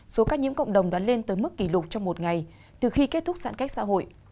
số các nhiễm cộng đồng đoán lên tới mức kỷ lục trong một ngày từ khi kết thúc sản cách xã hội